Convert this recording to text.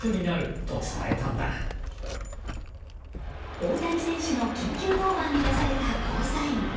大谷選手の緊急登板に出されたゴーサイン。